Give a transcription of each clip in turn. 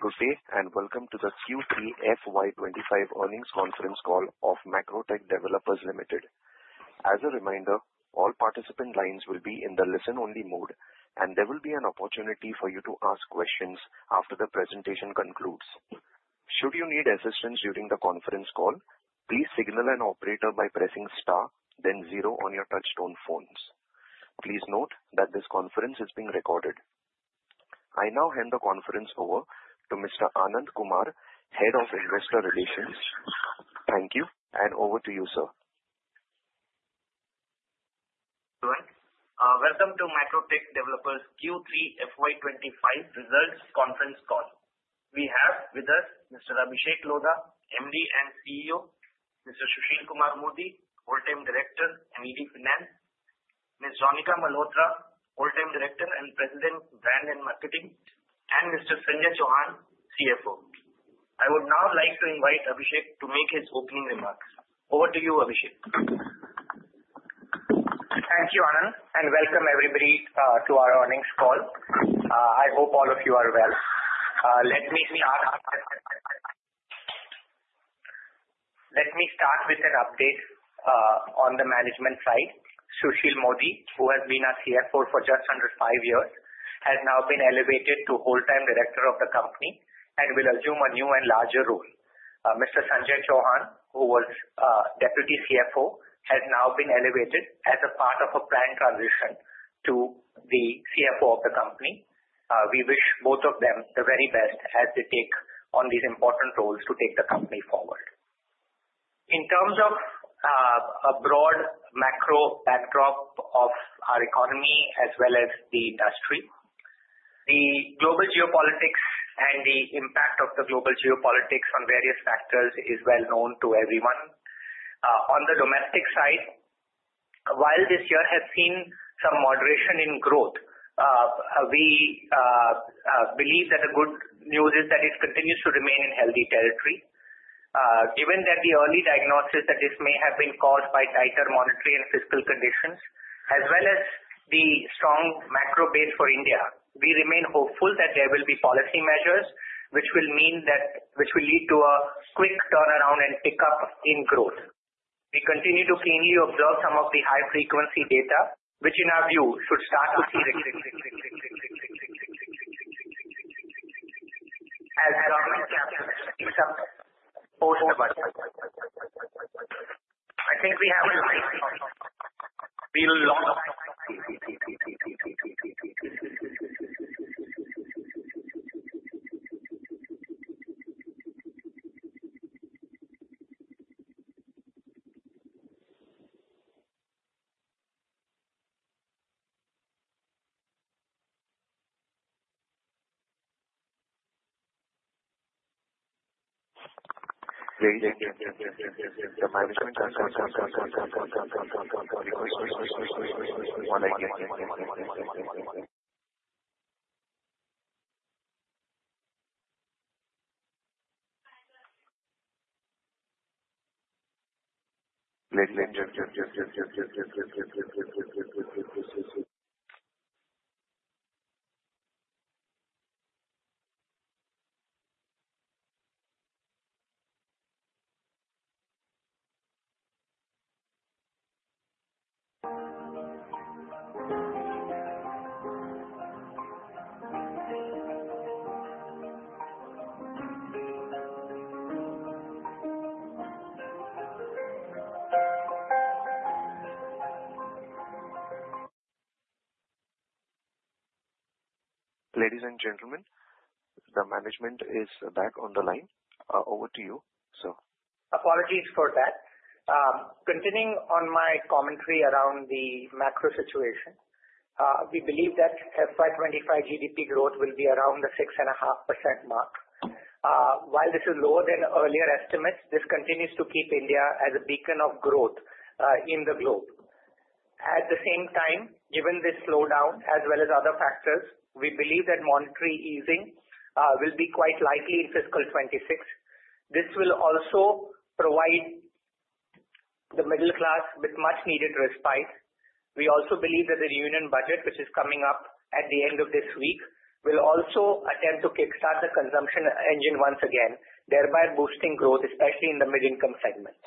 Good day, and welcome to the Q3 FY25 Earnings Conference Call of Macrotech Developers Limited. As a reminder, all participant lines will be in the listen-only mode, and there will be an opportunity for you to ask questions after the presentation concludes. Should you need assistance during the conference call, please signal an operator by pressing star, then zero on your touch-tone phones. Please note that this conference is being recorded. I now hand the conference over to Mr. Anand Kumar, Head of Investor Relations. Thank you, and over to you, sir. Welcome to Macrotech Developers Q3 FY25 Results Conference Call. We have with us Mr. Abhishek Lodha, MD and CEO, Mr. Sushil Modi, Whole-Time Director and Lead Finance, Ms. Raunika Malhotra, Whole-Time Director and President, Brand and Marketing, and Mr. Sanjay Chauhan, CFO. I would now like to invite Abhishek to make his opening remarks. Over to you, Abhishek. Thank you, Anand, and welcome everybody to our earnings call. I hope all of you are well. Let me start with an update on the management side. Sushil Modi, who has been a CFO for just under five years, has now been elevated to Whole-Time Director of the company and will assume a new and larger role. Mr. Sanjay Chauhan, who was Deputy CFO, has now been elevated as a part of a planned transition to the CFO of the company. We wish both of them the very best as they take on these important roles to take the company forward. In terms of a broad macro backdrop of our economy as well as the industry, the global geopolitics and the impact of the global geopolitics on various factors is well known to everyone. On the domestic side, while this year has seen some moderation in growth, we believe that the good news is that it continues to remain in healthy territory. Given that the early diagnosis that this may have been caused by tighter monetary and fiscal conditions, as well as the strong macro base for India, we remain hopeful that there will be policy measures which will lead to a quick turnaround and pickup in growth. We continue to keenly observe some of the high-frequency data, which in our view should start to see a growth. I think we have a lot of. Ladies and gentlemen, the management is back on the line. Over to you, sir. Apologies for that. Continuing on my commentary around the macro situation, we believe that FY25 GDP growth will be around the 6.5% mark. While this is lower than earlier estimates, this continues to keep India as a beacon of growth in the globe. At the same time, given this slowdown as well as other factors, we believe that monetary easing will be quite likely in fiscal 2026. This will also provide the middle class with much-needed respite. We also believe that the Union budget, which is coming up at the end of this week, will also attempt to kickstart the consumption engine once again, thereby boosting growth, especially in the mid-income segments.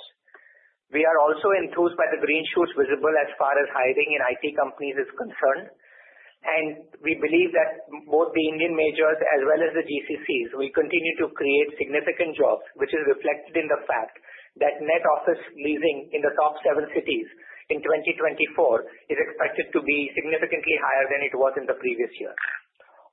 We are also enthused by the green shoots visible as far as hiring in IT companies is concerned, and we believe that both the Indian majors as well as the GCCs will continue to create significant jobs, which is reflected in the fact that net office leasing in the top seven cities in 2024 is expected to be significantly higher than it was in the previous year.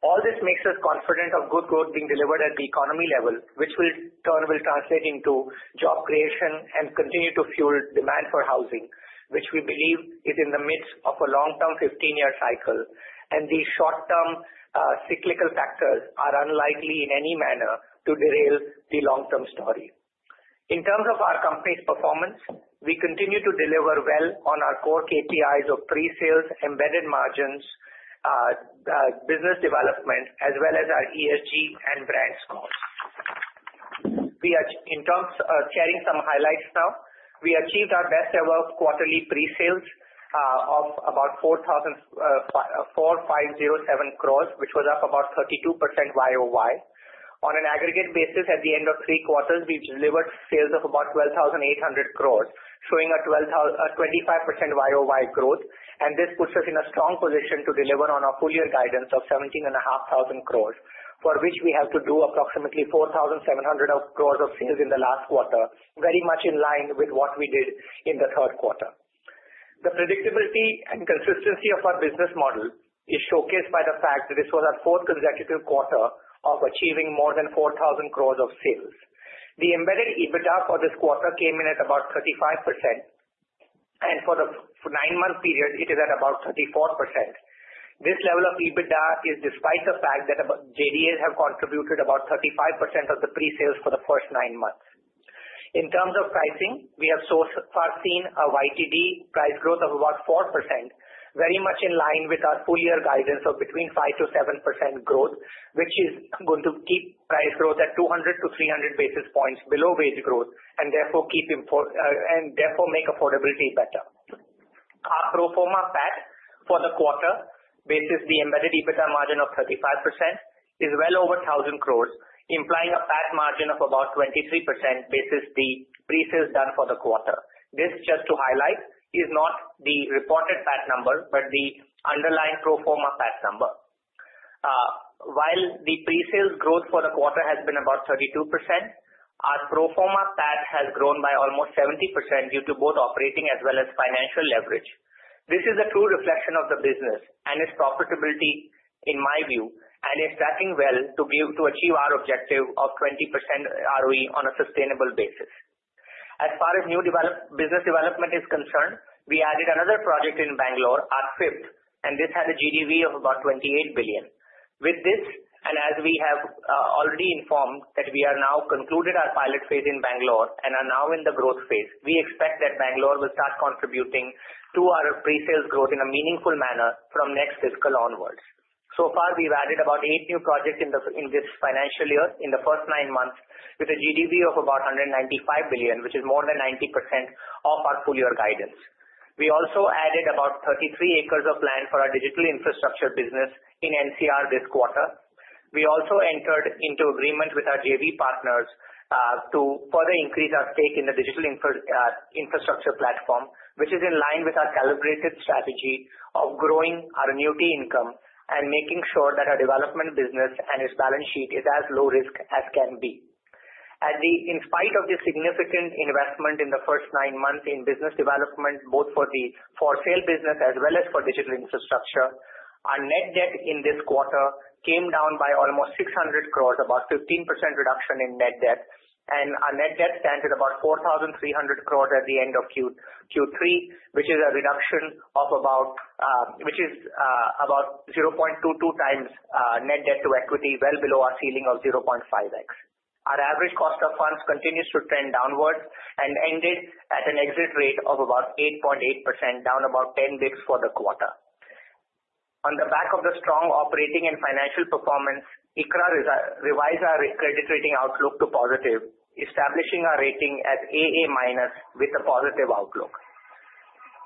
All this makes us confident of good growth being delivered at the economy level, which will in turn translate into job creation and continue to fuel demand for housing, which we believe is in the midst of a long-term 15-year cycle, and the short-term cyclical factors are unlikely in any manner to derail the long-term story. In terms of our company's performance, we continue to deliver well on our core KPIs of pre-sales, embedded margins, business development, as well as our ESG and brand scores. In terms of sharing some highlights now, we achieved our best-ever quarterly pre-sales of about 4,507 crore, which was up about 32% YoY. On an aggregate basis, at the end of three quarters, we delivered sales of about 12,800 crore, showing a 25% YoY growth, and this puts us in a strong position to deliver on our full-year guidance of 17,500 crore, for which we have to do approximately 4,700 crore of sales in the last quarter, very much in line with what we did in the third quarter. The predictability and consistency of our business model is showcased by the fact that this was our fourth consecutive quarter of achieving more than 4,000 crore of sales. The embedded EBITDA for this quarter came in at about 35%, and for the nine-month period, it is at about 34%. This level of EBITDA is despite the fact that JDAs have contributed about 35% of the pre-sales for the first nine months. In terms of pricing, we have so far seen a YTD price growth of about 4%, very much in line with our full-year guidance of between 5%-7% growth, which is going to keep price growth at 200-300 basis points below base growth and therefore make affordability better. Our pro forma PAT for the quarter, basis the embedded EBITDA margin of 35%, is well over 1,000 crore, implying a PAT margin of about 23% basis the pre-sales done for the quarter. This, just to highlight, is not the reported PAT number, but the underlying pro forma PAT number. While the pre-sales growth for the quarter has been about 32%, our pro forma PAT has grown by almost 70% due to both operating as well as financial leverage. This is a true reflection of the business and its profitability, in my view, and is tracking well to achieve our objective of 20% ROE on a sustainable basis. As far as new business development is concerned, we added another project in Bangalore, our fifth, and this had a GDV of about 28 billion. With this, and as we have already informed that we have now concluded our pilot phase in Bangalore and are now in the growth phase, we expect that Bangalore will start contributing to our pre-sales growth in a meaningful manner from next fiscal onwards. So far, we've added about eight new projects in this financial year in the first nine months with a GDV of about 195 billion, which is more than 90% of our full-year guidance. We also added about 33 acres of land for our digital infrastructure business in NCR this quarter. We also entered into agreement with our JV partners to further increase our stake in the digital infrastructure platform, which is in line with our calibrated strategy of growing our annuity income and making sure that our development business and its balance sheet is as low risk as can be. In spite of the significant investment in the first nine months in business development, both for the for-sale business as well as for digital infrastructure, our net debt in this quarter came down by almost 600 crore, about 15% reduction in net debt, and our net debt stands at about 4,300 crore at the end of Q3, which is a reduction of about 0.22x net debt to equity, well below our ceiling of 0.5x. Our average cost of funds continues to trend downwards and ended at an exit rate of about 8.8%, down about 10 basis points for the quarter. On the back of the strong operating and financial performance, ICRA revised our credit rating outlook to positive, establishing our rating as AA- with a positive outlook.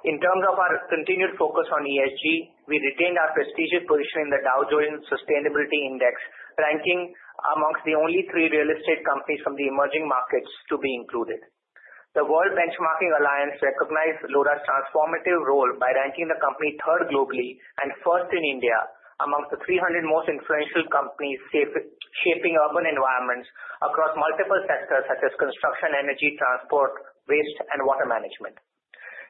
In terms of our continued focus on ESG, we retained our prestigious position in the Dow Jones Sustainability Index, ranking amongst the only three real estate companies from the emerging markets to be included. The World Benchmarking Alliance recognized Lodha's transformative role by ranking the company third globally and first in India amongst the 300 most influential companies shaping urban environments across multiple sectors such as construction, energy, transport, waste, and water management.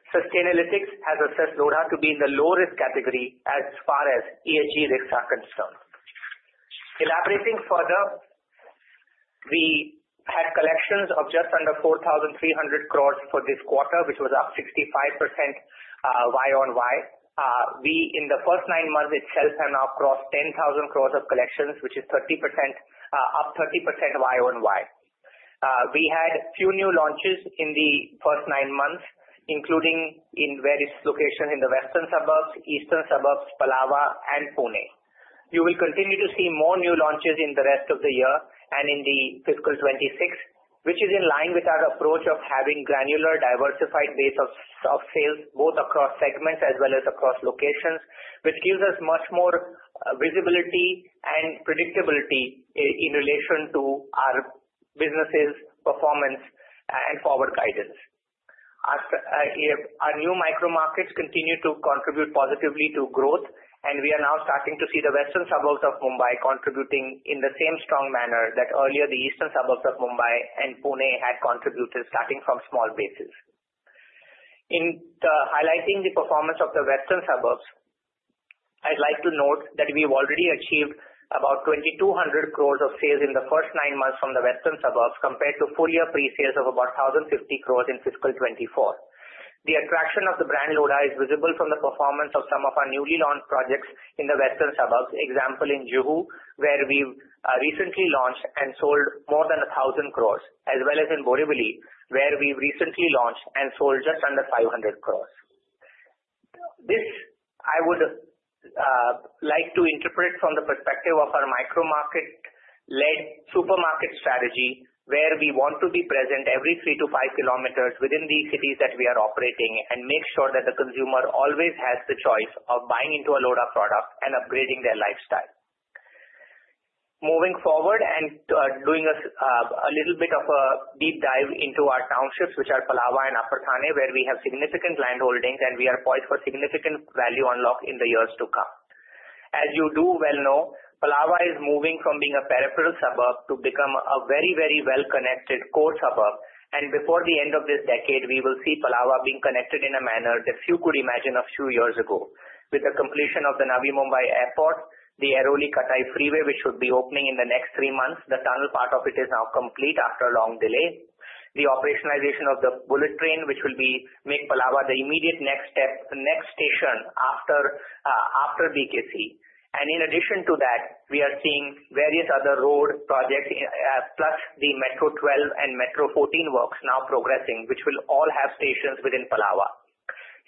Sustainalytics has assessed Lodha to be in the low-risk category as far as ESG risks are concerned. Elaborating further, we had collections of just under 4,300 crore for this quarter, which was up 65% YoY. We, in the first nine months itself, have now crossed 10,000 crore of collections, which is up 30% YoY. We had few new launches in the first nine months, including in various locations in the western suburbs, Eastern Suburbs, Palava, and Pune. You will continue to see more new launches in the rest of the year and in the fiscal 2026, which is in line with our approach of having granular diversified base of sales both across segments as well as across locations, which gives us much more visibility and predictability in relation to our business's performance and forward guidance. Our new micro markets continue to contribute positively to growth, and we are now starting to see the Western Suburbs of Mumbai contributing in the same strong manner that earlier the Eastern Suburbs of Mumbai and Pune had contributed, starting from small bases. In highlighting the performance of the Western Suburbs, I'd like to note that we've already achieved about 2,200 crore of sales in the first nine months from the Western Suburbs compared to full-year pre-sales of about 1,050 crore in fiscal 2024. The attraction of the brand Lodha is visible from the performance of some of our newly launched projects in the Western Suburbs, example in Juhu, where we've recently launched and sold more than 1,000 crore, as well as in Borivali, where we've recently launched and sold just under 500 crore. This I would like to interpret from the perspective of our micro market-led supermarket strategy, where we want to be present every three to five kilometers within the cities that we are operating and make sure that the consumer always has the choice of buying into a Lodha product and upgrading their lifestyle. Moving forward and doing a little bit of a deep dive into our townships, which are Palava and Upper Thane, where we have significant land holdings and we are poised for significant value unlock in the years to come. As you do well know, Palava is moving from being a peripheral suburb to become a very, very well-connected core suburb, and before the end of this decade, we will see Palava being connected in a manner that few could imagine a few years ago, with the completion of the Navi Mumbai Airport, the Airoli-Katai Freeway, which should be opening in the next three months. The tunnel part of it is now complete after a long delay. The operationalization of the bullet train, which will make Palava the immediate next station after BKC, and in addition to that, we are seeing various other road projects, plus the Metro 12 and Metro 14 works now progressing, which will all have stations within Palava.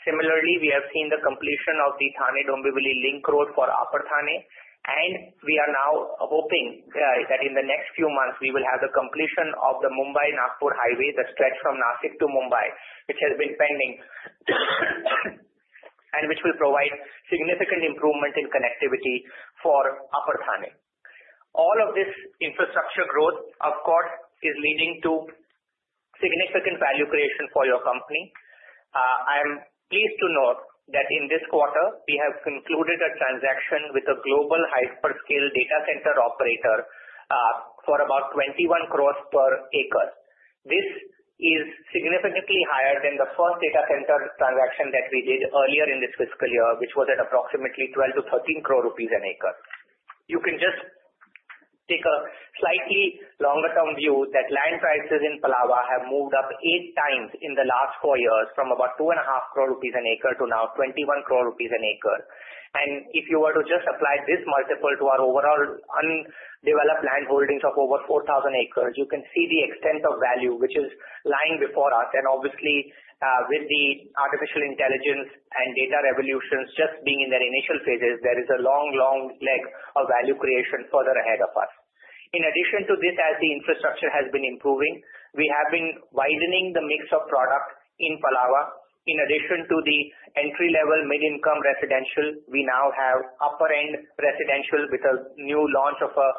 Similarly, we have seen the completion of the Thane-Dombivli Link Road for Upper Thane, and we are now hoping that in the next few months, we will have the completion of the Mumbai-Nagpur Highway that stretches from Nashik to Mumbai, which has been pending and which will provide significant improvement in connectivity for Upper Thane. All of this infrastructure growth, of course, is leading to significant value creation for your company. I am pleased to note that in this quarter, we have concluded a transaction with a global hyperscale data center operator for about 21 crore per acre. This is significantly higher than the first data center transaction that we did earlier in this fiscal year, which was at approximately 12-13 crore rupees an acre. You can just take a slightly longer-term view that land prices in Palava have moved up eight times in the last four years from about 2.5 crore rupees an acre to now 21 crore rupees an acre. And if you were to just apply this multiple to our overall undeveloped land holdings of over 4,000 acres, you can see the extent of value which is lying before us. And obviously, with the artificial intelligence and data revolutions just being in their initial phases, there is a long, long leg of value creation further ahead of us. In addition to this, as the infrastructure has been improving, we have been widening the mix of product in Palava. In addition to the entry-level mid-income residential, we now have upper-end residential with a new launch of an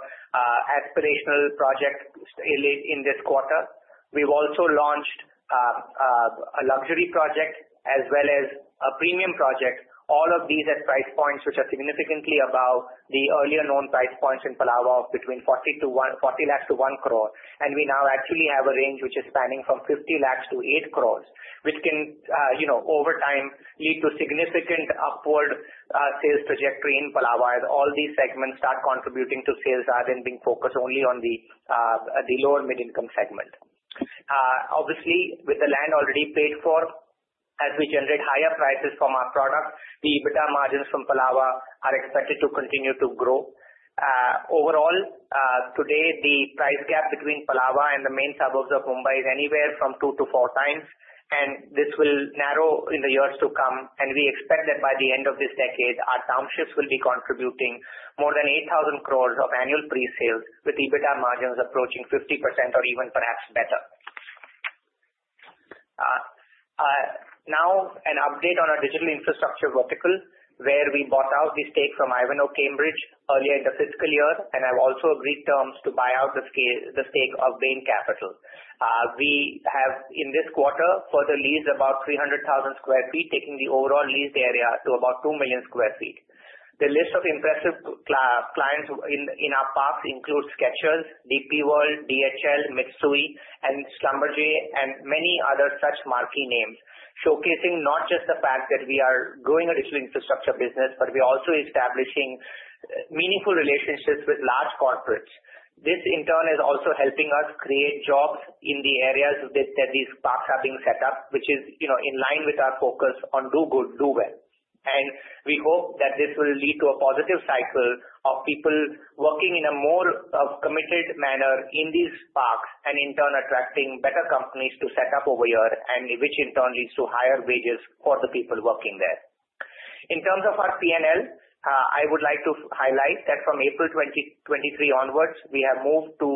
aspirational project in this quarter. We've also launched a luxury project as well as a premium project, all of these at price points which are significantly above the earlier known price points in Palava of between 40 lakh-1 crore. And we now actually have a range which is spanning from 50 lakh-8 crore, which can, over time, lead to significant upward sales trajectory in Palava as all these segments start contributing to sales rather than being focused only on the lower mid-income segment. Obviously, with the land already paid for, as we generate higher prices from our product, the EBITDA margins from Palava are expected to continue to grow. Overall, today, the price gap between Palava and the main suburbs of Mumbai is anywhere from 2x-4x, and this will narrow in the years to come. And we expect that by the end of this decade, our townships will be contributing more than 8,000 crore of annual pre-sales, with EBITDA margins approaching 50% or even perhaps better. Now, an update on our digital infrastructure vertical, where we bought out the stake from Ivanhoé Cambridge earlier in the fiscal year, and I've also agreed terms to buy out the stake of Bain Capital. We have, in this quarter, further leased about 300,000 sq ft, taking the overall leased area to about 2 million sq ft. The list of impressive clients in our park includes Skechers, DP World, DHL, Mitsui, and Schlumberger, and many other such marquee names, showcasing not just the fact that we are growing our digital infrastructure business, but we're also establishing meaningful relationships with large corporates. This, in turn, is also helping us create jobs in the areas that these parks have been set up, which is in line with our focus on do good, do well, and we hope that this will lead to a positive cycle of people working in a more committed manner in these parks and, in turn, attracting better companies to set up over here, which in turn leads to higher wages for the people working there. In terms of our P&L, I would like to highlight that from April 2023 onwards, we have moved to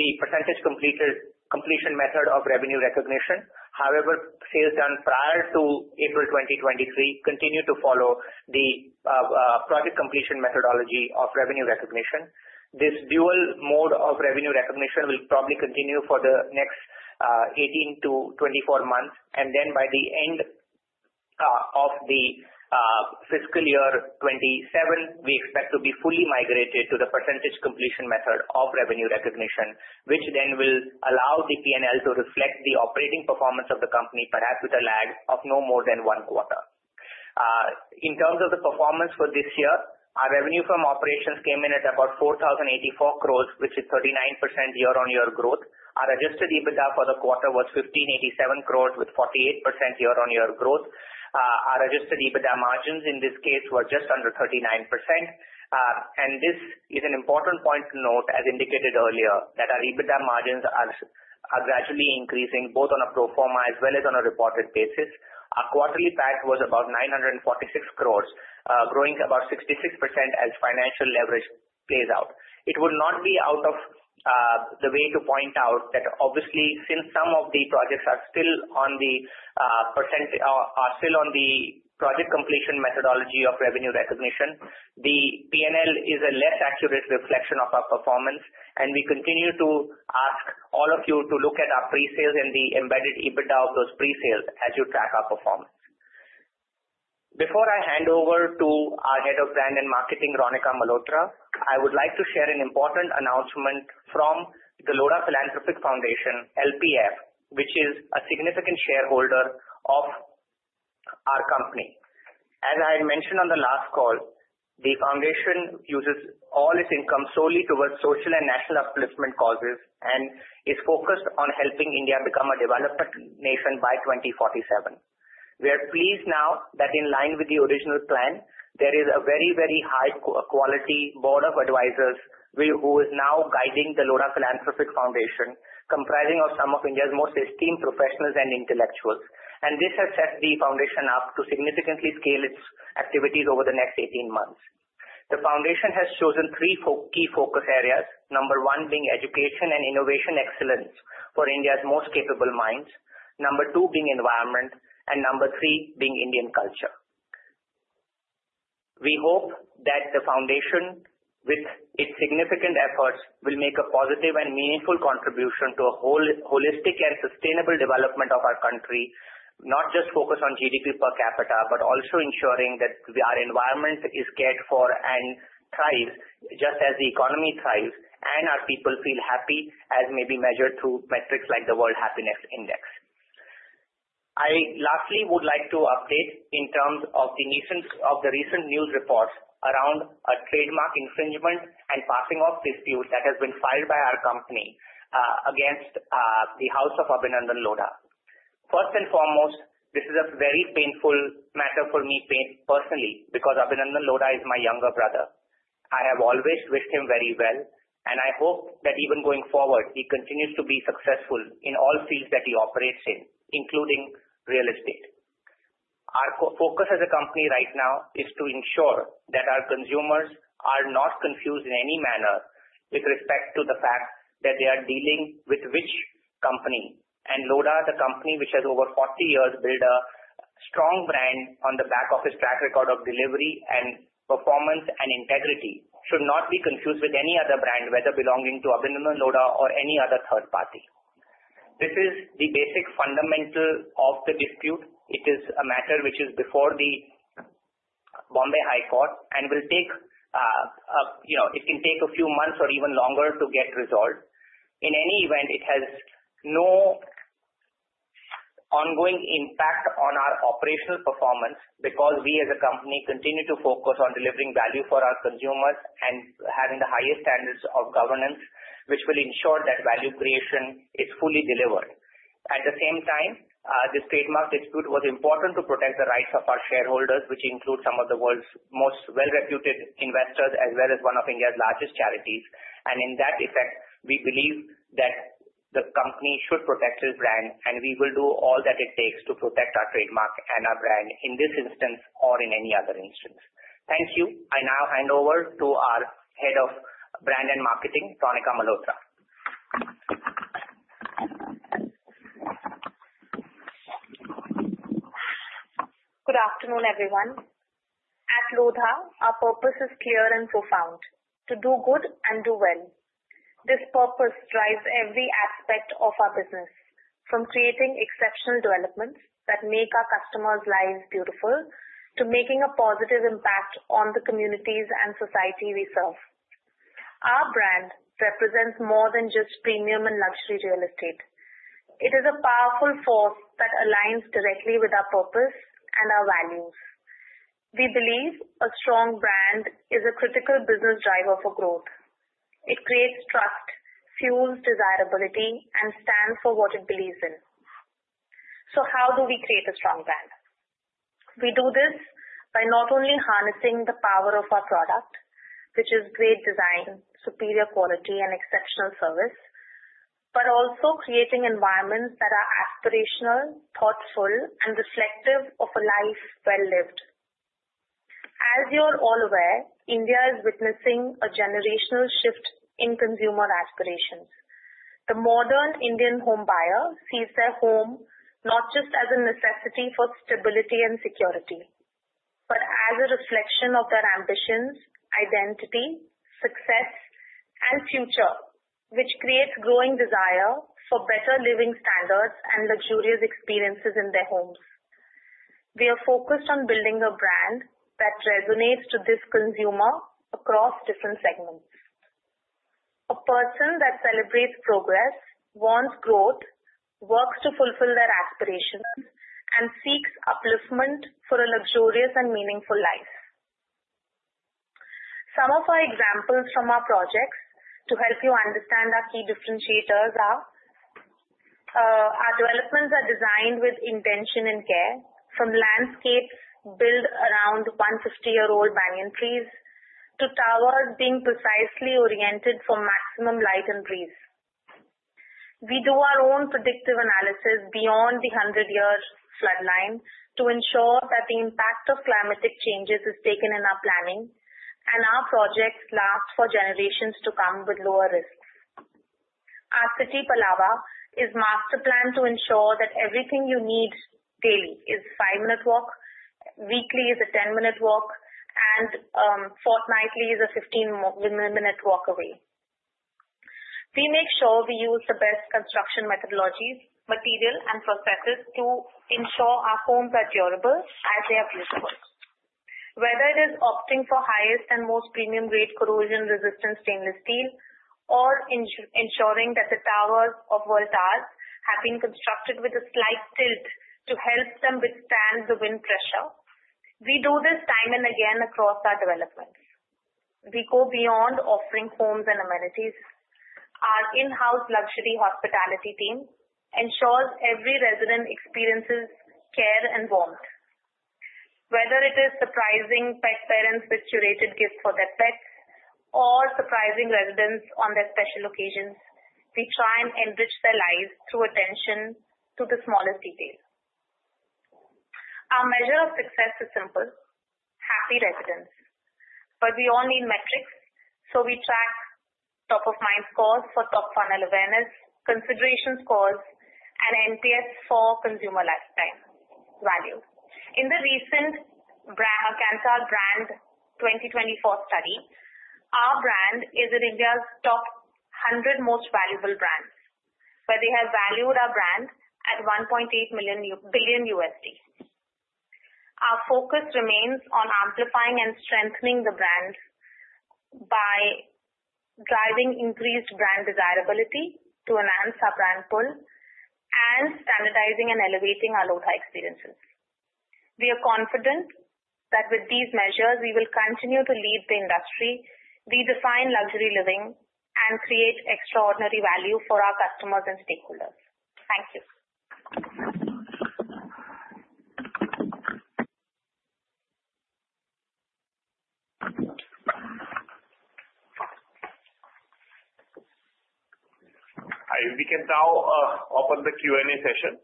the Percentage Completion Method of revenue recognition. However, sales done prior to April 2023 continue to follow the Project Completion Methodology of revenue recognition. This dual mode of revenue recognition will probably continue for the next 18 to 24 months. Then, by the end of the fiscal year 2027, we expect to be fully migrated to the percentage completion method of revenue recognition, which then will allow the P&L to reflect the operating performance of the company, perhaps with a lag of no more than one quarter. In terms of the performance for this year, our revenue from operations came in at about 4,084 crore, which is 39% year-on-year growth. Our adjusted EBITDA for the quarter was 1,587 crore, with 48% year-on-year growth. Our adjusted EBITDA margins, in this case, were just under 39%. This is an important point to note, as indicated earlier, that our EBITDA margins are gradually increasing both on a pro forma as well as on a reported basis. Our quarterly PAT was about 946 crore, growing about 66% as financial leverage plays out. It would not be out of the way to point out that, obviously, since some of the projects are still on the project completion methodology of revenue recognition, the P&L is a less accurate reflection of our performance, and we continue to ask all of you to look at our pre-sales and the embedded EBITDA of those pre-sales as you track our performance. Before I hand over to our head of brand and marketing, Raunika Malhotra, I would like to share an important announcement from the Lodha Philanthropic Foundation, LPF, which is a significant shareholder of our company. As I mentioned on the last call, the foundation uses all its income solely towards social and national upliftment causes and is focused on helping India become a developed nation by 2047. We are pleased now that, in line with the original plan, there is a very, very high-quality board of advisors who is now guiding the Lodha Philanthropic Foundation, comprising of some of India's most esteemed professionals and intellectuals, and this has set the foundation up to significantly scale its activities over the next 18 months. The foundation has chosen three key focus areas, number one being education and innovation excellence for India's most capable minds, number two being environment, and number three being Indian culture. We hope that the foundation, with its significant efforts, will make a positive and meaningful contribution to a holistic and sustainable development of our country, not just focus on GDP per capita, but also ensuring that our environment is cared for and thrives just as the economy thrives and our people feel happy, as may be measured through metrics like the World Happiness Index. I lastly would like to update in terms of the recent news reports around a trademark infringement and passing off dispute that has been filed by our company against the House of Abhinandan Lodha. First and foremost, this is a very painful matter for me personally because Abhinandan Lodha is my younger brother. I have always wished him very well, and I hope that even going forward, he continues to be successful in all fields that he operates in, including real estate. Our focus as a company right now is to ensure that our consumers are not confused in any manner with respect to the fact that they are dealing with which company. Lodha, the company which has over 40 years built a strong brand on the back of its track record of delivery and performance and integrity, should not be confused with any other brand, whether belonging to Abhinandan Lodha or any other third party. This is the basic fundamental of the dispute. It is a matter which is before the Bombay High Court and will take a few months or even longer to get resolved. In any event, it has no ongoing impact on our operational performance because we, as a company, continue to focus on delivering value for our consumers and having the highest standards of governance, which will ensure that value creation is fully delivered. At the same time, this trademark dispute was important to protect the rights of our shareholders, which include some of the world's most well-reputed investors as well as one of India's largest charities. And in that effect, we believe that the company should protect its brand, and we will do all that it takes to protect our trademark and our brand in this instance or in any other instance. Thank you. I now hand over to our head of brand and marketing, Raunika Malhotra. Good afternoon, everyone. At Lodha, our purpose is clear and profound: to do good and do well. This purpose drives every aspect of our business, from creating exceptional developments that make our customers' lives beautiful to making a positive impact on the communities and society we serve. Our brand represents more than just premium and luxury real estate. It is a powerful force that aligns directly with our purpose and our values. We believe a strong brand is a critical business driver for growth. It creates trust, fuels desirability, and stands for what it believes in. So how do we create a strong brand? We do this by not only harnessing the power of our product, which is great design, superior quality, and exceptional service, but also creating environments that are aspirational, thoughtful, and reflective of a life well-lived. As you're all aware, India is witnessing a generational shift in consumer aspirations. The modern Indian homebuyer sees their home not just as a necessity for stability and security, but as a reflection of their ambitions, identity, success, and future, which creates growing desire for better living standards and luxurious experiences in their homes. We are focused on building a brand that resonates with this consumer across different segments. A person that celebrates progress, wants growth, works to fulfill their aspirations, and seeks upliftment for a luxurious and meaningful life. Some of our examples from our projects to help you understand our key differentiators are: our developments are designed with intention and care, from landscapes built around 150-year-old banyan trees to towers being precisely oriented for maximum light and breeze. We do our own predictive analysis beyond the 100-year floodline to ensure that the impact of climatic changes is taken in our planning, and our projects last for generations to come with lower risks. Our city Palava is master planned to ensure that everything you need daily is a five-minute walk, weekly is a 10-minute walk, and fortnightly is a 15-minute walk away. We make sure we use the best construction methodologies, materials, and processes to ensure our homes are durable as they are beautiful. Whether it is opting for highest and most premium-grade corrosion-resistant stainless steel or ensuring that the towers of World Towers have been constructed with a slight tilt to help them withstand the wind pressure, we do this time and again across our developments. We go beyond offering homes and amenities. Our in-house luxury hospitality team ensures every resident experiences care and warmth. Whether it is surprising pet parents with curated gifts for their pets or surprising residents on their special occasions, we try and enrich their lives through attention to the smallest detail. Our measure of success is simple: happy residents. But we all need metrics, so we track top-of-mind scores for top-funnel awareness, consideration scores, and NPS for consumer lifetime value. In the recent Kantar Brand 2024 study, our brand is in India's top 100 most valuable brands, where they have valued our brand at $1.8 billion. Our focus remains on amplifying and strengthening the brand by driving increased brand desirability to enhance our brand pull and standardizing and elevating our Lodha experiences. We are confident that with these measures, we will continue to lead the industry, redefine luxury living, and create extraordinary value for our customers and stakeholders. Thank you. We can now open the Q&A session.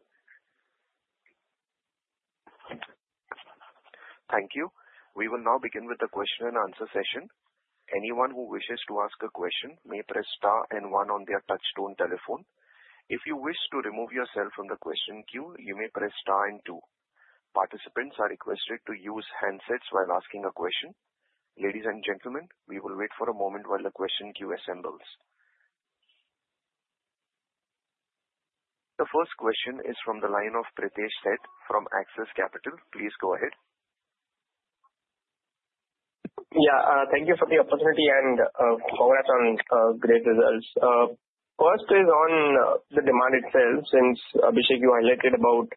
Thank you. We will now begin with the question-and-answer session. Anyone who wishes to ask a question may press star and one on their touch-tone telephone. If you wish to remove yourself from the question queue, you may press star and two. Participants are requested to use handsets while asking a question. Ladies and gentlemen, we will wait for a moment while the question queue assembles. The first question is from the line of Pritesh Sheth from Axis Capital. Please go ahead. Yeah. Thank you for the opportunity and congrats on great results. First is on the demand itself, since Abhishek, you highlighted about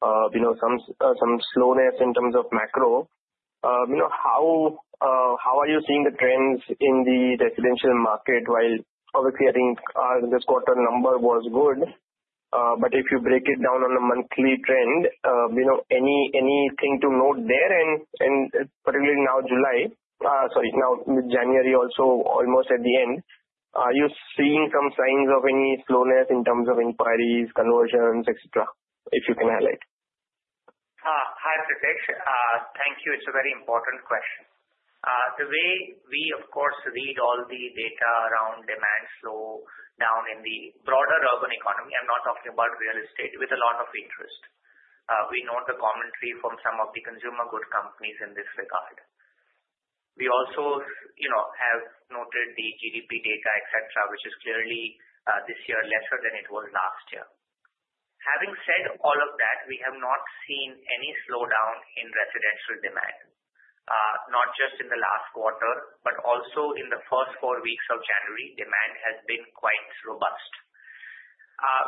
some slowness in terms of macro. How are you seeing the trends in the residential market while obviously, I think this quarter number was good, but if you break it down on a monthly trend, anything to note there? And particularly now, July - sorry, now, January also almost at the end - are you seeing some signs of any slowness in terms of inquiries, conversions, etc., if you can highlight? Hi, Pritesh. Thank you. It's a very important question. The way we, of course, read all the data around demand slow down in the broader urban economy - I'm not talking about real estate - with a lot of interest. We note the commentary from some of the consumer goods companies in this regard. We also have noted the GDP data, etc., which is clearly this year lesser than it was last year. Having said all of that, we have not seen any slowdown in residential demand, not just in the last quarter, but also in the first four weeks of January. Demand has been quite robust.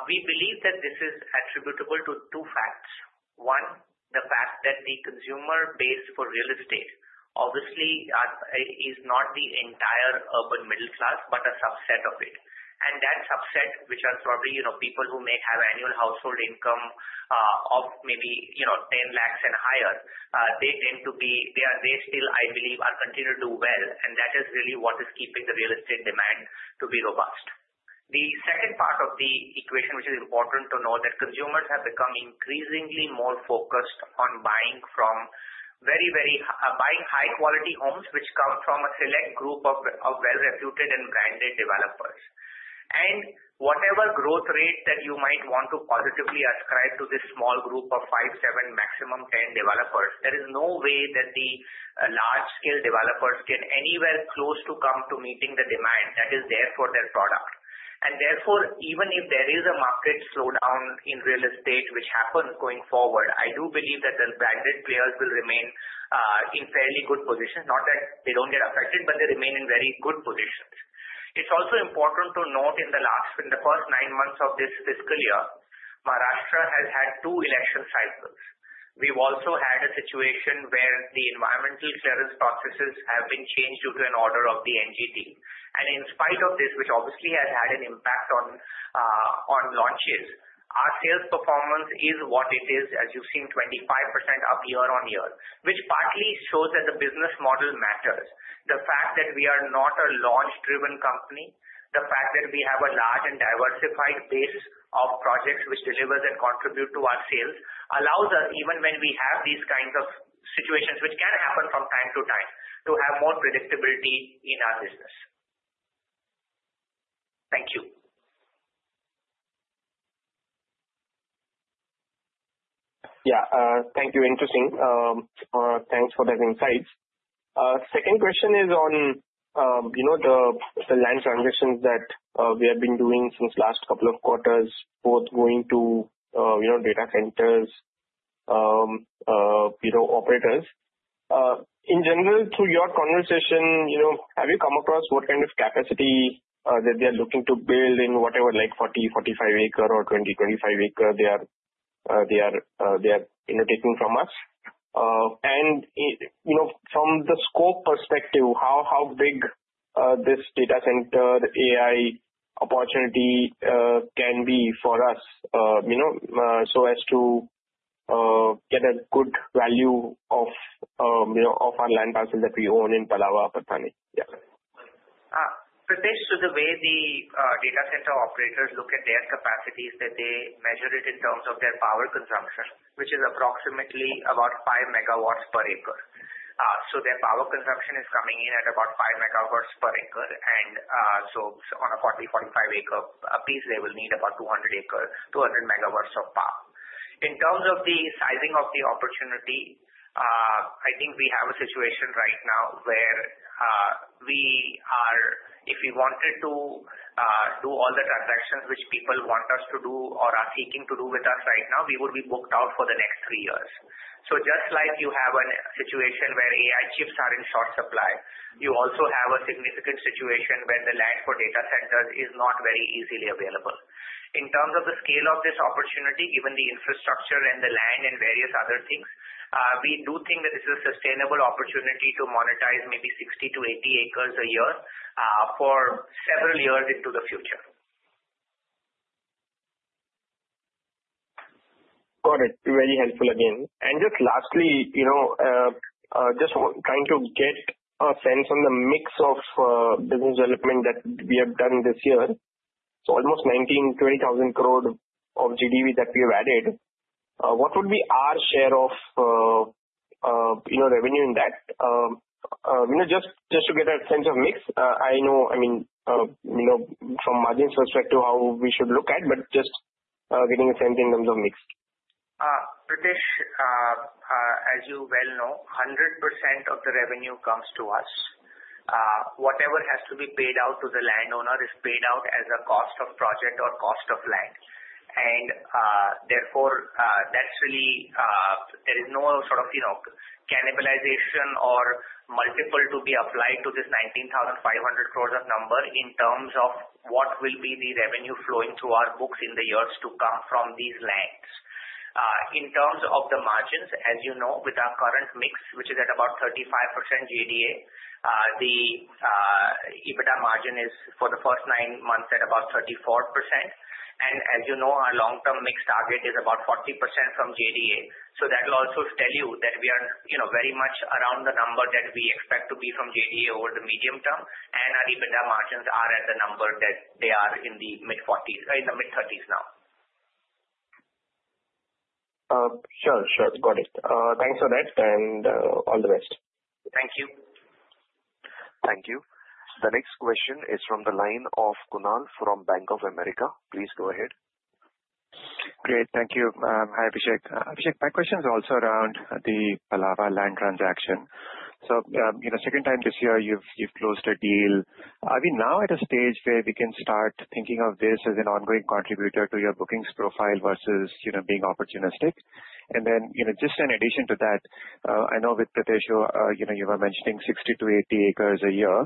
We believe that this is attributable to two facts. One, the fact that the consumer base for real estate obviously is not the entire urban middle class, but a subset of it. And that subset, which are probably people who may have annual household income of maybe 10 lakhs and higher, they tend to be—they still, I believe, are continuing to do well. And that is really what is keeping the real estate demand to be robust. The second part of the equation, which is important to note, is that consumers have become increasingly more focused on buying from very, very high-quality homes, which come from a select group of well-reputed and branded developers. And whatever growth rate that you might want to positively ascribe to this small group of five, seven, maximum ten developers, there is no way that the large-scale developers can anywhere close to come to meeting the demand that is there for their product. And therefore, even if there is a market slowdown in real estate, which happens going forward, I do believe that the branded players will remain in fairly good position. Not that they don't get affected, but they remain in very good position. It's also important to note in the first nine months of this fiscal year, Maharashtra has had two election cycles. We've also had a situation where the environmental clearance processes have been changed due to an order of the NGT, and in spite of this, which obviously has had an impact on launches, our sales performance is what it is, as you've seen, 25% up year on year, which partly shows that the business model matters. The fact that we are not a launch-driven company, the fact that we have a large and diversified base of projects which delivers and contribute to our sales allows us, even when we have these kinds of situations, which can happen from time to time, to have more predictability in our business. Thank you. Yeah. Thank you. Interesting. Thanks for that insight. Second question is on the land transactions that we have been doing since last couple of quarters, both going to data centers, operators. In general, through your conversation, have you come across what kind of capacity that they are looking to build in whatever, like 40- or 45-acre or 20- or 25-acre they are taking from us? And from the scope perspective, how big this data center AI opportunity can be for us so as to get a good value of our land parcel that we own in Palava, Taloja? Yeah. Pritesh, to the way the data center operators look at their capacity is that they measure it in terms of their power consumption, which is approximately about 5 MW per acre. So their power consumption is coming in at about 5 MW per acre. And so on a 40- or 45-acre piece, they will need about 200 MW of power. In terms of the sizing of the opportunity, I think we have a situation right now where we are, if we wanted to do all the transactions which people want us to do or are seeking to do with us right now, we would be booked out for the next three years. So just like you have a situation where AI chips are in short supply, you also have a significant situation where the land for data centers is not very easily available. In terms of the scale of this opportunity, given the infrastructure and the land and various other things, we do think that this is a sustainable opportunity to monetize maybe 60 acres-80 acres a year for several years into the future. Got it. Very helpful again. Just lastly, just trying to get a sense on the mix of business development that we have done this year. So almost 19,000-20,000 crore of GDV that we have added. What would be our share of revenue in that? Just to get a sense of mix, I know, I mean, from management's perspective, how we should look at, but just getting a sense in terms of mix. Pritesh, as you well know, 100% of the revenue comes to us. Whatever has to be paid out to the landowner is paid out as a cost of project or cost of land. And therefore, that's really there is no sort of cannibalization or multiple to be applied to this 19,500 crore number in terms of what will be the revenue flowing through our books in the years to come from these lands. In terms of the margins, as you know, with our current mix, which is at about 35% JDA, the EBITDA margin is for the first nine months at about 34%. And as you know, our long-term mix target is about 40% from JDA. So that will also tell you that we are very much around the number that we expect to be from JDA over the medium term. And our EBITDA margins are at the number that they are in the mid-40s or in the mid-30s now. Sure. Sure. Got it. Thanks for that and all the best. Thank you. Thank you. The next question is from the line of Kunal from Bank of America. Please go ahead. Great. Thank you. Hi, Abhishek. Abhishek, my question is also around the Palava land transaction. So second time this year, you've closed a deal. Are we now at a stage where we can start thinking of this as an ongoing contributor to your bookings profile versus being opportunistic? And then just in addition to that, I know with Pritesh, you were mentioning 60-80 acres a year.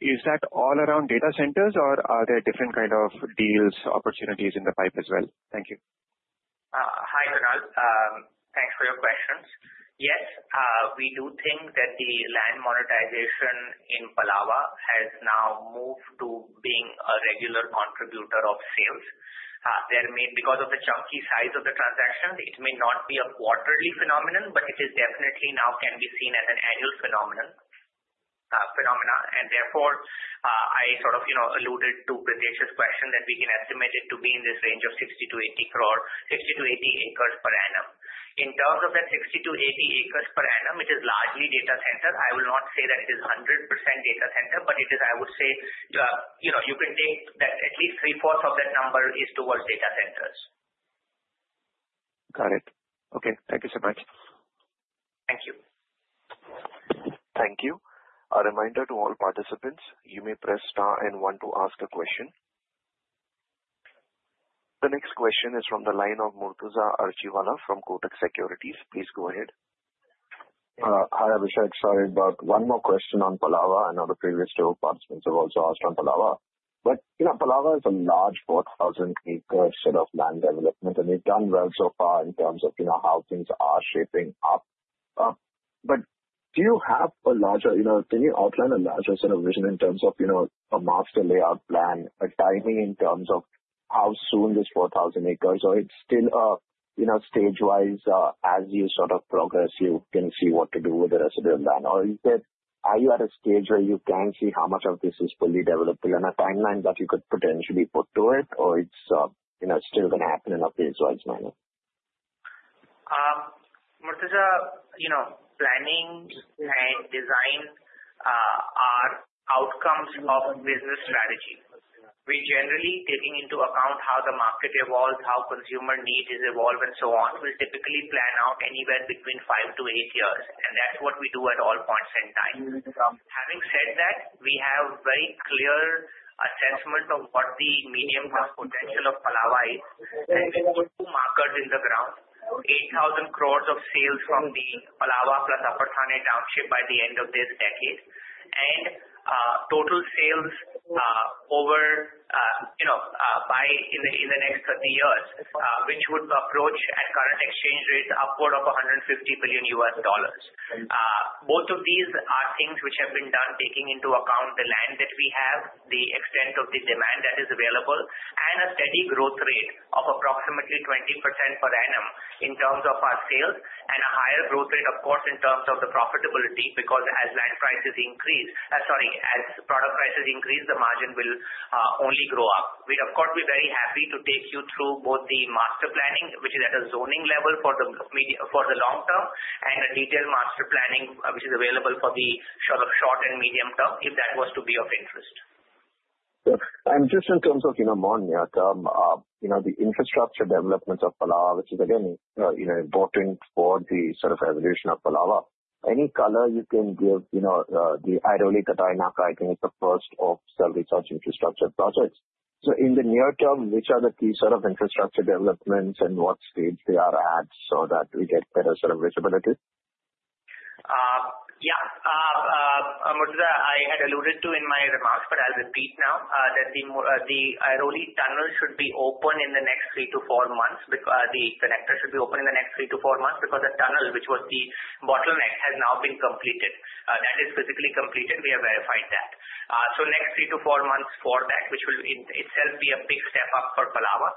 Is that all around data centers, or are there different kinds of deals, opportunities in the pipe as well? Thank you. Hi, Kunal. Thanks for your questions. Yes, we do think that the land monetization in Palava has now moved to being a regular contributor of sales. Because of the chunky size of the transaction, it may not be a quarterly phenomenon, but it is definitely now can be seen as an annual phenomenon. And therefore, I sort of alluded to Pritesh's question that we can estimate it to be in this range of 60 crore-80 crore, 60acres-80 acres per annum. In terms of that 60-80 acres per annum, it is largely data center. I will not say that it is 100% data center, but it is, I would say, you can take that at least 3/4 of that number is towards data centers. Got it. Okay. Thank you so much. Thank you. Thank you. A reminder to all participants, you may press star and one to ask a question. The next question is from the line of Murtuza Arsiwalla from Kotak Securities. Please go ahead. Hi, Abhishek. Sorry about one more question on Palava. I know the previous two participants have also asked on Palava. But Palava is a large 4,000-acre set of land development, and they've done well so far in terms of how things are shaping up. But do you have a larger can you outline a larger set of vision in terms of a master layout plan, a timing in terms of how soon this 4,000 acres? Or it's still a stage-wise, as you sort of progress, you can see what to do with the rest of your land? Or are you at a stage where you can see how much of this is fully developed and a timeline that you could potentially put to it, or it's still going to happen in a phase-wise manner? Murtuza, planning and design are outcomes of a business strategy. We generally, taking into account how the market evolves, how consumer need is evolved, and so on, we typically plan out anywhere between five to eight years. And that's what we do at all points in time. Having said that, we have very clear assessment of what the medium-term potential of Palava is, and we put two markers in the ground: 8,000 crore of sales from the Palava plus Upper Thane township by the end of this decade, and total sales over the next 30 years, which would approach at current exchange rate upward of $150 billion. Both of these are things which have been done taking into account the land that we have, the extent of the demand that is available, and a steady growth rate of approximately 20% per annum in terms of our sales, and a higher growth rate, of course, in terms of the profitability because as land prices increase, sorry, as product prices increase, the margin will only grow up. We'd, of course, be very happy to take you through both the master planning, which is at a zoning level for the long term, and a detailed master planning, which is available for the short and medium term, if that was to be of interest. And just in terms of more near-term, the infrastructure development of Palava, which is, again, important for the sort of evolution of Palava. Any color you can give the Airoli-Katai Naka, the first of several key infrastructure projects. So in the near term, which are the key sort of infrastructure developments and what stage they are at so that we get better sort of visibility? Yeah. Murtuza, I had alluded to in my remarks, but I'll repeat now that the Airoli-Katai Naka tunnel should be open in the next three to four months. The connector should be open in the next three to four months because the tunnel, which was the bottleneck, has now been completed. That is physically completed. We have verified that. So next three to four months for that, which will in itself be a big step up for Palava.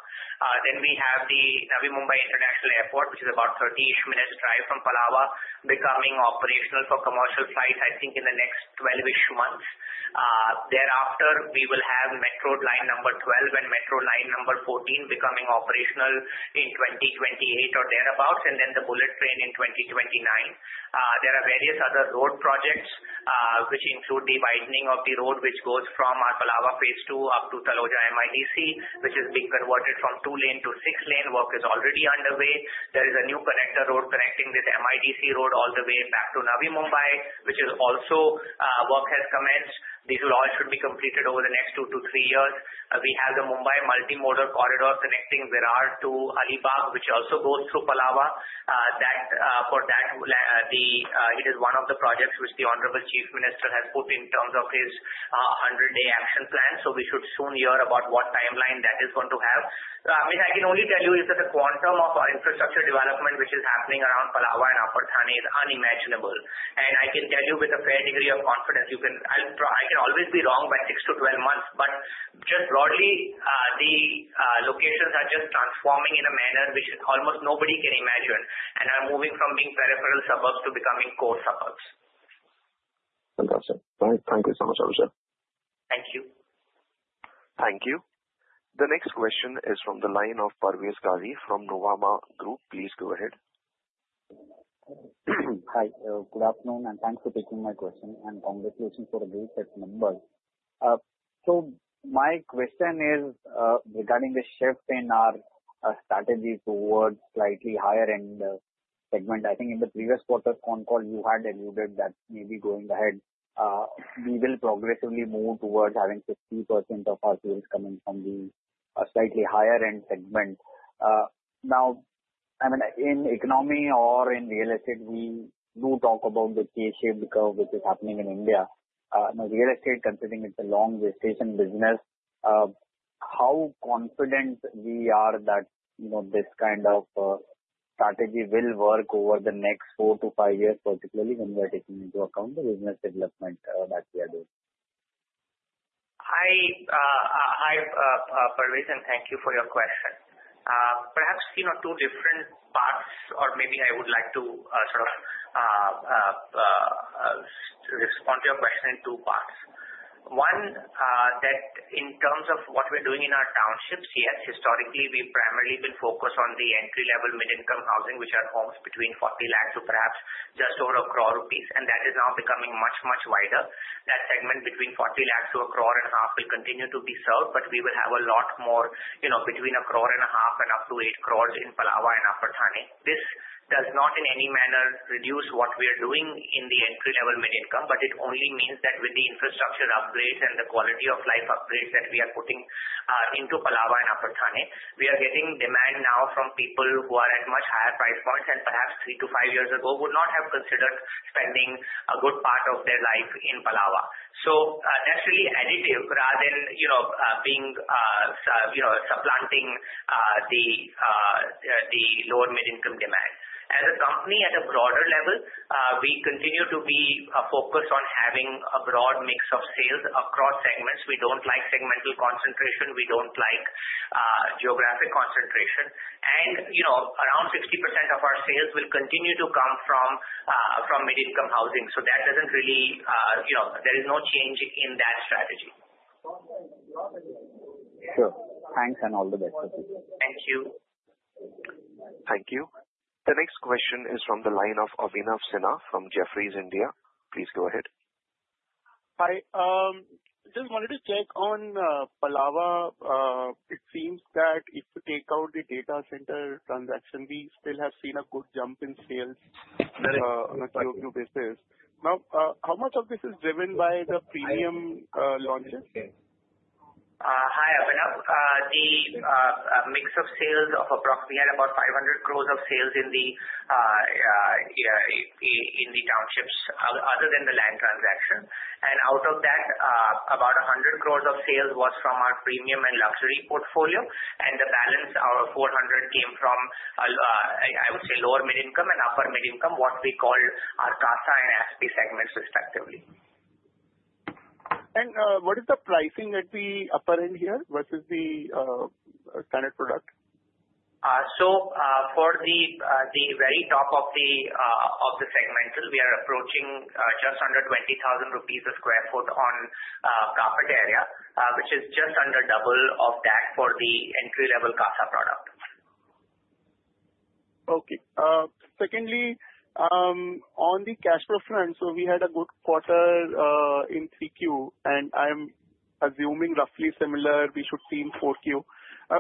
Then we have the Navi Mumbai International Airport, which is about 30-ish minutes drive from Palava, becoming operational for commercial flights, I think, in the next 12-ish months. Thereafter, we will have Metro Line 12 and Metro Line 14 becoming operational in 2028 or thereabouts, and then the Bullet Train in 2029. There are various other road projects, which include the widening of the road which goes from our Palava Phase 2 up to Taloja MIDC, which is being converted from two-lane to six-lane. Work is already underway. There is a new connector road connecting this MIDC road all the way back to Navi Mumbai, which is also work has commenced. These all should be completed over the next two to three years. We have the Mumbai Multimodal Corridor connecting Virar to Alibaug, which also goes through Palava. For that, it is one of the projects which the Honorable Chief Minister has put in terms of his 100-day action plan, so we should soon hear about what timeline that is going to have. I mean, I can only tell you is that the quantum of our infrastructure development, which is happening around Palava and Upper Thane, is unimaginable, and I can tell you with a fair degree of confidence, I can always be wrong by 6 months-12 months. But just broadly, the locations are just transforming in a manner which almost nobody can imagine and are moving from being peripheral suburbs to becoming core suburbs. Fantastic. Thank you so much, Abhishek. Thank you. Thank you. The next question is from the line of Parvez Qazi from Nuvama Group. Please go ahead. Hi. Good afternoon, and thanks for taking my question and congratulations for the strong set of numbers. My question is regarding the shift in our strategy towards slightly higher-end segment. I think in the previous quarter phone call, you had alluded that maybe going ahead, we will progressively move towards having 50% of our sales coming from the slightly higher-end segment. Now, I mean, in economy or in real estate, we do talk about the K-shaped curve, which is happening in India. Now, real estate, considering it's a long-distance business, how confident we are that this kind of strategy will work over the next four to five years, particularly when we are taking into account the business development that we are doing? Hi, Parvez, and thank you for your question. Perhaps two different parts, or maybe I would like to sort of respond to your question in two parts. One, that in terms of what we're doing in our townships, yes, historically, we've primarily been focused on the entry-level mid-income housing, which are homes between 40 lakhs to perhaps just over a crore rupees. And that is now becoming much, much wider. That segment between 40 lakh-1.5 crore will continue to be served, but we will have a lot more between 1.5 crore and up to 8 crore in Palava and Upper Thane. This does not in any manner reduce what we are doing in the entry-level mid-income, but it only means that with the infrastructure upgrades and the quality of life upgrades that we are putting into Palava and Upper Thane, we are getting demand now from people who are at much higher price points and perhaps three to five years ago would not have considered spending a good part of their life in Palava. So that's really additive rather than being supplanting the lower mid-income demand. As a company at a broader level, we continue to be focused on having a broad mix of sales across segments. We don't like segmental concentration. We don't like geographic concentration. And around 60% of our sales will continue to come from mid-income housing. So that doesn't really. There is no change in that strategy. Sure. Thanks and all the best. Thank you. Thank you. The next question is from the line of Abhinav Sinha from Jefferies India. Please go ahead. Hi. Just wanted to check on Palava. It seems that if we take out the data center transaction, we still have seen a good jump in sales on a year-to-year basis. Now, how much of this is driven by the premium launches? Hi, Abhinav. The mix of sales of approximately about 500 crore of sales in the townships other than the land transaction. And out of that, about 100 crore of sales was from our premium and luxury portfolio. And the balance, our 400, came from, I would say, lower mid-income and upper mid-income, what we called our Casa and Aspi segments, respectively. And what is the pricing at the upper end here versus the standard product? So for the very top of the segmental, we are approaching just under 20,000 rupees per sq ft on proper area, which is just under double of that for the entry-level Casa product. Okay. Secondly, on the cash flow front, so we had a good quarter in 3Q, and I'm assuming roughly similar we should see in 4Q.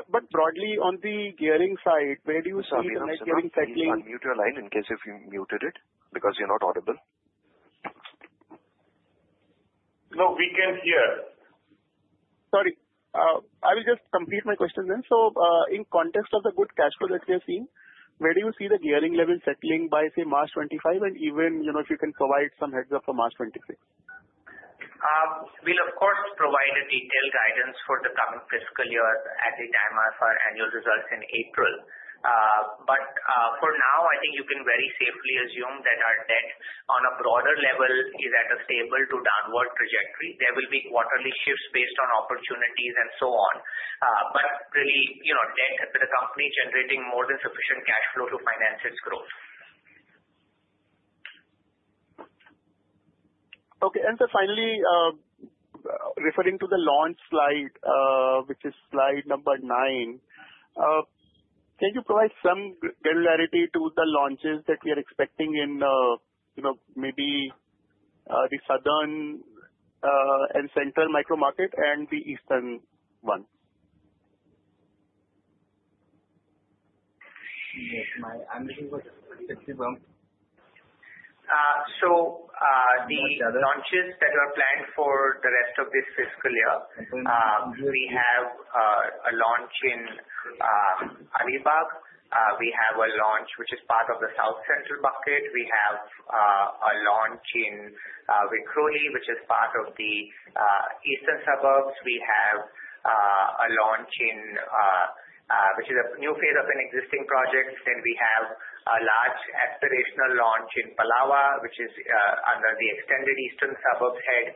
But broadly, on the gearing side, where do you see the next gearing cycling? Can you unmute your line in case if you muted it because you're not audible? No, we can hear. Sorry. I will just complete my question then. So in context of the good cash flow that we have seen, where do you see the gearing level settling by, say, March 2025? And even if you can provide some heads-up for March 2026? Well, of course, provide a detailed guidance for the coming fiscal year at the time of our annual results in April. But for now, I think you can very safely assume that our debt on a broader level is at a stable to downward trajectory. There will be quarterly shifts based on opportunities and so on. But really, debt for the company generating more than sufficient cash flow to finance its growth. Okay. And so finally, referring to the launch slide, which is slide number nine, can you provide some granularity to the launches that we are expecting in maybe the southern and central micro market and the eastern one? Yes, my unmuting was effective. So the launches that are planned for the rest of this fiscal year, we have a launch in Alibaug. We have a launch which is part of the South Central Bucket. We have a launch in Vikhroli, which is part of the Eastern Suburbs. We have a launch in which is a new phase of an existing project. Then we have a large aspirational launch in Palava, which is under the extended Eastern Suburbs head.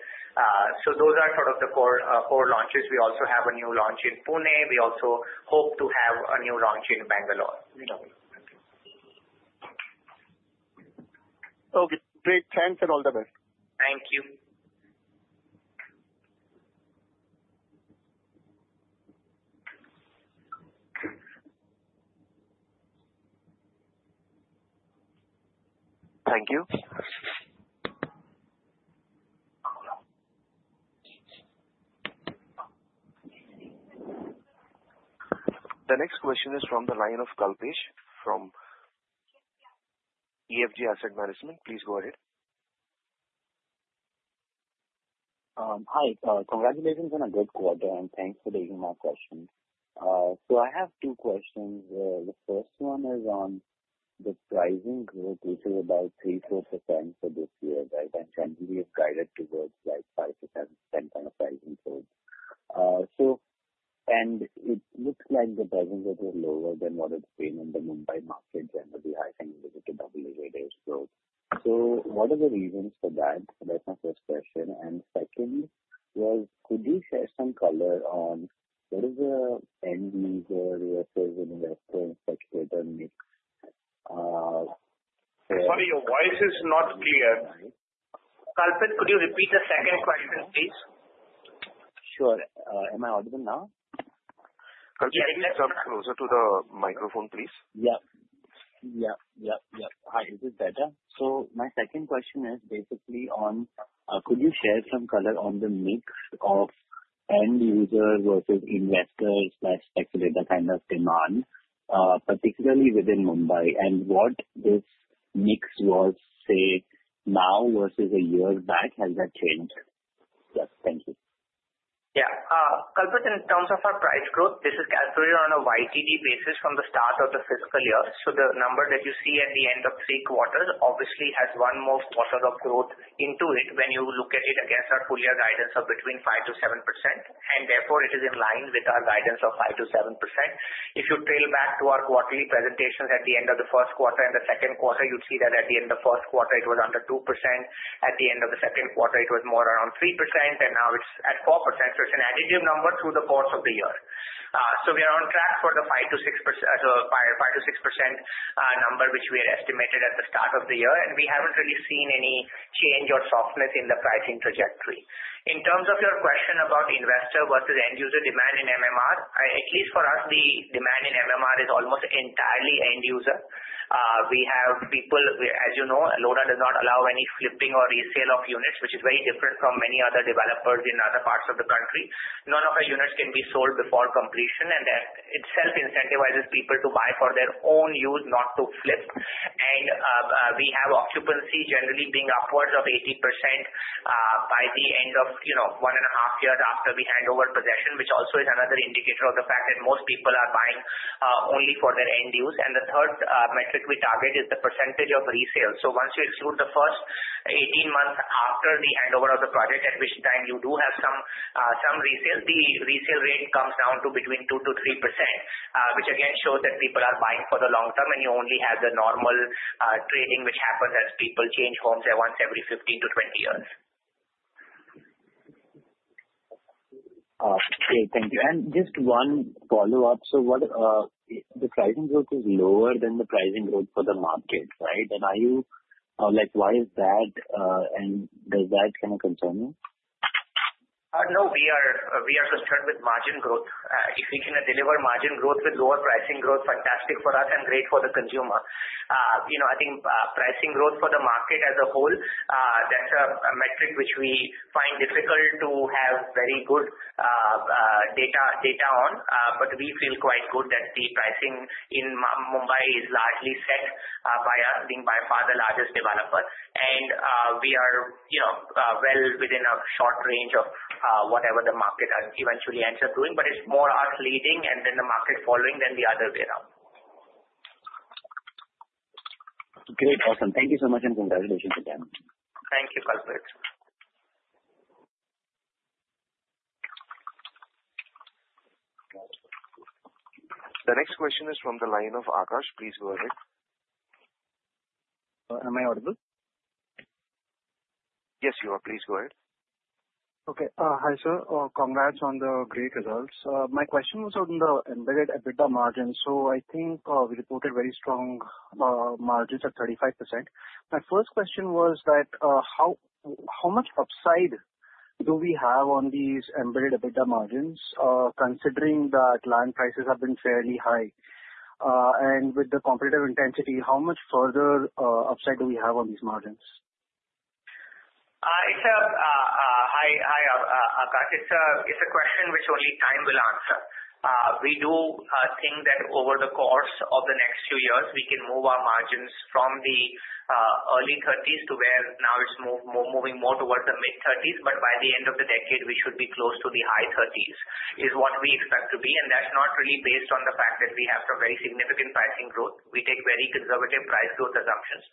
So those are sort of the core launches. We also have a new launch in Pune. We also hope to have a new launch in Bangalore. Okay. Thank you. Okay. Great. Thanks and all the best. Thank you. Thank you. The next question is from the line of Kalpesh from EFG Asset Management. Please go ahead. Hi. Congratulations on a good quarter, and thanks for taking my question. So I have two questions. The first one is on the pricing growth, which is about 3%-4% for this year, right? And generally, it's guided towards 5%-10% kind of pricing growth. And it looks like the pricing growth is lower than what it's been in the Mumbai market, generally. I think it's a double-legged growth. So what are the reasons for that? That's my first question. And secondly, could you share some color on what is the end user versus investor-expected mix? Sorry, your voice is not clear. Kalpesh, could you repeat the second question, please? Sure. Am I audible now? Yeah. It's closer to the microphone, please. Yeah. Yeah. Yeah. Yeah. Hi. This is better. So my second question is basically on could you share some color on the mix of end user versus investor-expected kind of demand, particularly within Mumbai? And what this mix was, say, now versus a year back, has that changed? Yes. Thank you. Yeah. Kalpesh, in terms of our price growth, this is calculated on a YTD basis from the start of the fiscal year. So the number that you see at the end of three quarters obviously has one more quarter of growth into it when you look at it against our full-year guidance of between 5%-7%. And therefore, it is in line with our guidance of 5%-7%. If you trail back to our quarterly presentations at the end of the first quarter and the second quarter, you'd see that at the end of the first quarter, it was under 2%. At the end of the second quarter, it was more around 3%, and now it's at 4%. So it's an additive number through the course of the year. So we are on track for the 5%-6% number, which we had estimated at the start of the year. And we haven't really seen any change or softness in the pricing trajectory. In terms of your question about investor versus end user demand in MMR, at least for us, the demand in MMR is almost entirely end user. We have people, as you know, Lodha does not allow any flipping or resale of units, which is very different from many other developers in other parts of the country. None of our units can be sold before completion, and that itself incentivizes people to buy for their own use, not to flip. And we have occupancy generally being upwards of 80% by the end of one and a half years after we hand over possession, which also is another indicator of the fact that most people are buying only for their end use. And the third metric we target is the percentage of resales. So once you exclude the first 18 months after the handover of the project, at which time you do have some resale, the resale rate comes down to between 2%-3%, which again shows that people are buying for the long term, and you only have the normal trading, which happens as people change homes once every 15-20 years. Great. Thank you. And just one follow-up. So the pricing growth is lower than the pricing growth for the market, right? And why is that? And does that kind of concern you? No, we are concerned with margin growth. If we can deliver margin growth with lower pricing growth, fantastic for us and great for the consumer. I think pricing growth for the market as a whole, that's a metric which we find difficult to have very good data on. But we feel quite good that the pricing in Mumbai is largely set by being by far the largest developer. And we are well within a short range of whatever the market eventually ends up doing. But it's more us leading and then the market following than the other way around. Great. Awesome. Thank you so much and congratulations again. Thank you, Kalpesh. The next question is from the line of Akash. Please go ahead. Am I audible? Yes, you are. Please go ahead. Okay. Hi, sir. Congrats on the great results. My question was on the embedded EBITDA margins. So I think we reported very strong margins at 35%. My first question was that how much upside do we have on these embedded EBITDA margins considering that land prices have been fairly high? And with the competitive intensity, how much further upside do we have on these margins? It's a question which only time will answer. We do think that over the course of the next few years, we can move our margins from the early 30s to where now it's moving more towards the mid-30s. But by the end of the decade, we should be close to the high 30s is what we expect to be. And that's not really based on the fact that we have some very significant pricing growth. We take very conservative price growth assumptions.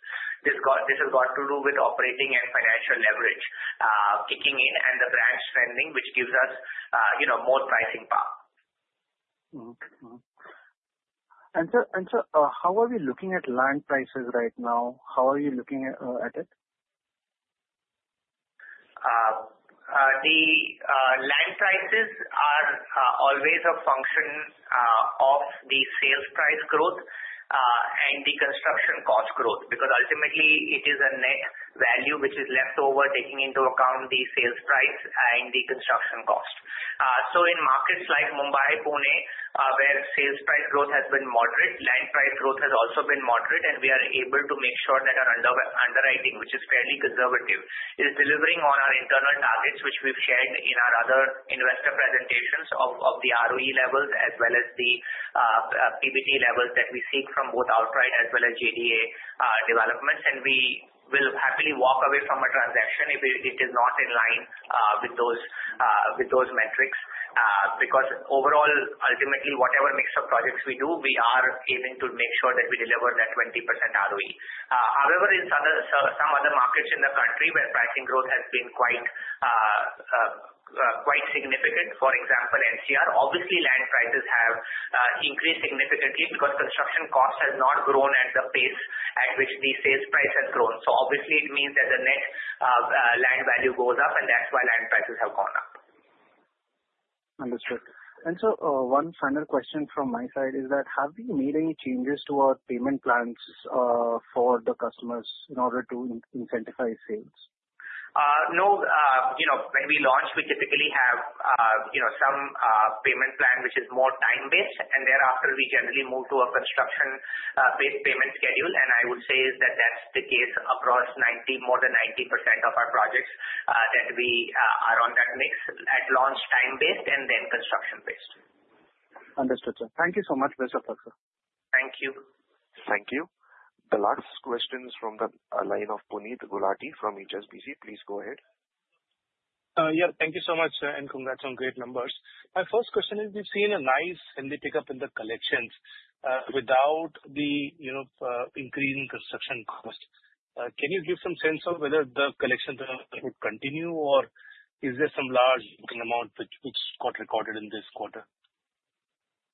This has got to do with operating and financial leverage kicking in and the brand spending, which gives us more pricing power. And sir, how are we looking at land prices right now? How are you looking at it? The land prices are always a function of the sales price growth and the construction cost growth because ultimately, it is a net value which is left over taking into account the sales price and the construction cost. So in markets like Mumbai, Pune, where sales price growth has been moderate, land price growth has also been moderate. And we are able to make sure that our underwriting, which is fairly conservative, is delivering on our internal targets, which we've shared in our other investor presentations of the ROE levels as well as the PBT levels that we seek from both outright as well as JDA developments. And we will happily walk away from a transaction if it is not in line with those metrics because overall, ultimately, whatever mix of projects we do, we are aiming to make sure that we deliver that 20% ROE. However, in some other markets in the country where pricing growth has been quite significant, for example, NCR, obviously, land prices have increased significantly because construction cost has not grown at the pace at which the sales price has grown. So obviously, it means that the net land value goes up, and that's why land prices have gone up. Understood. And sir, one final question from my side is that have we made any changes to our payment plans for the customers in order to incentivize sales? No. When we launch, we typically have some payment plan which is more time-based. And thereafter, we generally move to a construction-based payment schedule. And I would say that that's the case across more than 90% of our projects that we are on that mix at launch time-based and then construction-based. Understood, sir. Thank you so much. Best of luck, sir. Thank you. Thank you. The last question is from the line of Puneet Gulati from HSBC. Please go ahead. Yeah. Thank you so much, sir. And congrats on great numbers. My first question is we've seen a nice healthy pickup in the collections without the increase in construction cost. Can you give some sense of whether the collections will continue or is there some large amount which got recorded in this quarter?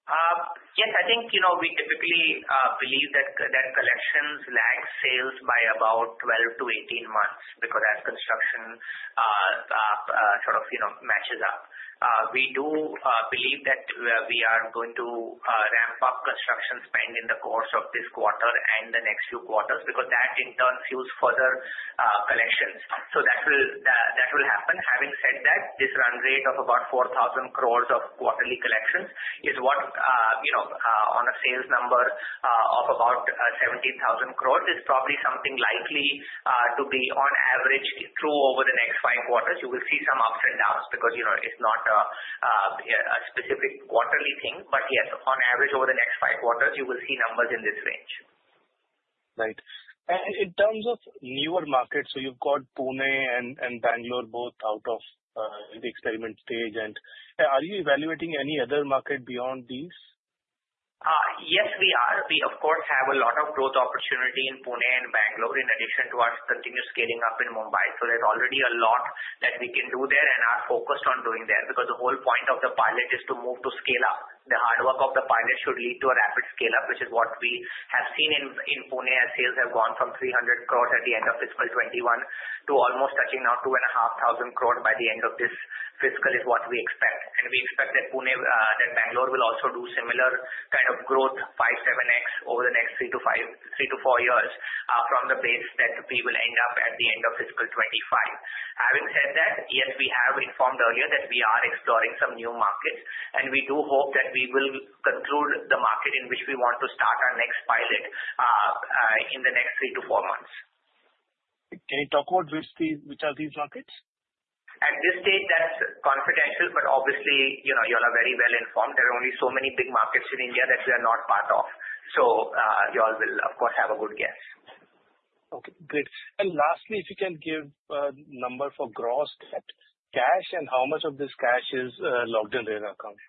Yes. I think we typically believe that collections lag sales by about 12-18 months because as construction sort of matches up. We do believe that we are going to ramp up construction spend in the course of this quarter and the next few quarters because that in turn fuels further collections. So that will happen. Having said that, this run rate of about 4,000 crore of quarterly collections is what on a sales number of about 17,000 crore is probably something likely to be on average through over the next five quarters. You will see some ups and downs because it's not a specific quarterly thing. But yes, on average, over the next five quarters, you will see numbers in this range. Right. And in terms of newer markets, so you've got Pune and Bangalore both out of the experiment stage. And are you evaluating any other market beyond these? Yes, we are. We, of course, have a lot of growth opportunity in Pune and Bangalore in addition to our continuous scaling up in Mumbai. So there's already a lot that we can do there and are focused on doing there because the whole point of the pilot is to move to scale up. The hard work of the pilot should lead to a rapid scale up, which is what we have seen in Pune as sales have gone from 300 crore at the end of fiscal 2021 to almost touching now 2,500 crore by the end of this fiscal, is what we expect. We expect that Pune and Bangalore will also do similar kind of growth, 5x-7x over the next 3-4 years from the base that we will end up at the end of fiscal 2025. Having said that, yes, we have informed earlier that we are exploring some new markets. We do hope that we will conclude the market in which we want to start our next pilot in the next 3 to 4 months. Can you talk about which are these markets? At this stage, that's confidential, but obviously, you all are very well informed. There are only so many big markets in India that we are not part of. So you all will, of course, have a good guess. Okay. Great. And lastly, if you can give a number for gross debt cash and how much of this cash is locked in to your account?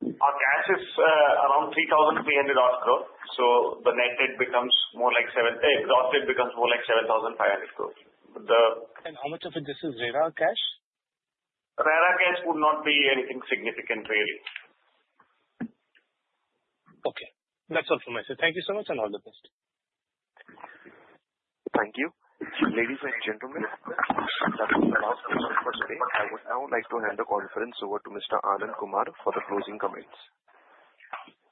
Our cash is around 3,300 crore. So the net debt becomes more like 7,000 crore. The gross debt becomes more like 7,500 crore. And how much of it this is RERA cash? RERA cash would not be anything significant, really. Okay. That's all from me, sir. Thank you so much and all the best. Thank you. Ladies and gentlemen, that concludes our session for today. I would now like to hand the conference over to Mr. Anand Kumar for the closing comments.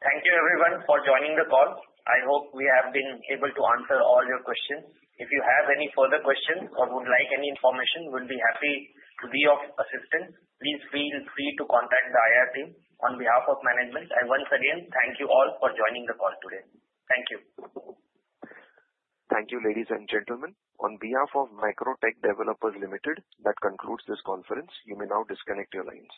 Thank you, everyone, for joining the call. I hope we have been able to answer all your questions. If you have any further questions or would like any information, we'll be happy to be of assistance. Please feel free to contact the IR team on behalf of management, and once again, thank you all for joining the call today. Thank you. Thank you, ladies and gentlemen. On behalf of Macrotech Developers Limited, that concludes this conference. You may now disconnect your lines.